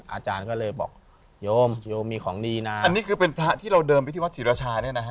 อาจารย์ก็เลยบอกโยมโยมมีของดีนะอันนี้คือเป็นพระที่เราเดินไปที่วัดศรีรชาเนี่ยนะฮะ